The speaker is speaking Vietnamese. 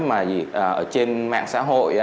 mà ở trên mạng xã hội